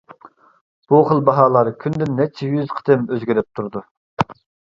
بۇ خىل باھالار كۈندە نەچچە يۈز قېتىم ئۆزگىرىپ تۇرىدۇ.